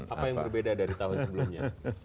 apa yang berbeda dari tahun sebelumnya